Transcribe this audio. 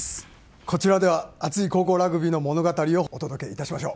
こちらでは、熱い高校ラグビーの物語をお届けいたしましょう。